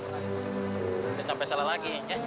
nanti sampe salah lagi